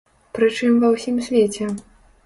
Прычым ва ўсім свеце.